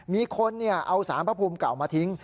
มีคนเอาสารพระภูมิเก่ามาทิ้ง